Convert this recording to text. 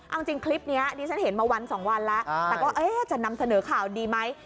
เอาจริงคลิปนี้ดิฉันเห็นมาวันสองวันแล้วแต่ก็จะนำเสนอข่าวดีไหม